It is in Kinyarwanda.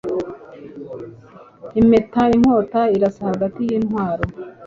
Impeta-inkota irasa hagati yintwaro